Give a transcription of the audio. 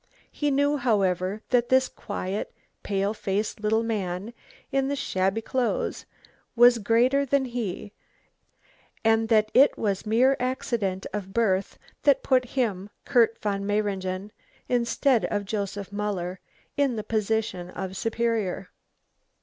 He knew, however, that this quiet, pale faced little man in the shabby clothes was greater than he, and that it was mere accident of birth that put him, Kurt von Mayringen, instead of Joseph Muller, in the position of superior.